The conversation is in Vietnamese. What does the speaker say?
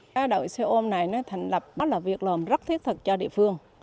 các đội xe ôm này thành lập là việc lòm rất thiết thực cho địa phương